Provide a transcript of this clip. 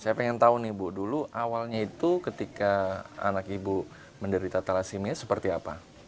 saya ingin tahu nih bu dulu awalnya itu ketika anak ibu menderita thalassemia seperti apa